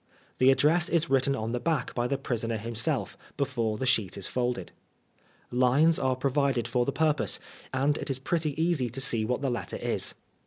The address is written on the back by the prisoner himself, before the sheet is folded. Lines are provided for the purpose, and it is pretty easy to Bee what the letter is.